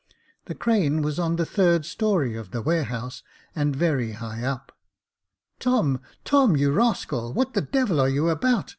The crane was on the third story of the warehouse, and very high up. " Tom, Tom you rascal, what the devil are you about